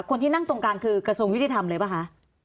คนที่นั่งตรงกลางคือกระทรวงยุติธรรมเลยป่ะคะ